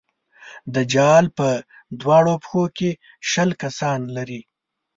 دجال په دواړو پښو کې شل کسان لري.